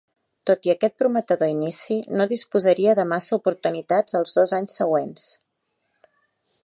Tot i aquest prometedor inici, no disposaria de massa oportunitats els dos anys següents.